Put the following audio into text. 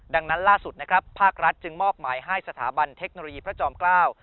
ดังนั้นล่าสุดนะครับภาครัฐจึงมอบหมายให้สถาบันเทคโนโลยีพระจอมเกล้า